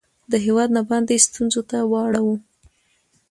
د هیواد نه باندې ستونځو ته واړوي